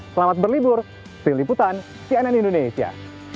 selamat berlibur di liputan cnn indonesia